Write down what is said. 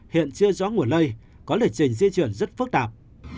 hiện chưa rõ nguồn lây có lịch trình di chuyển rất phức tạp